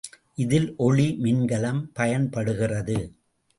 இதில் ஒளி மின்கலம் பயன்படுகிறது.